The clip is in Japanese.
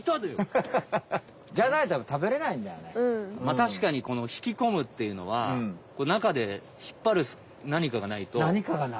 たしかにこの引き込むっていうのは中で引っぱる何かがないと。